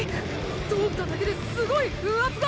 通っただけですごい風圧が！